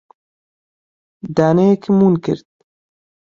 دانەیەکم ون کرد.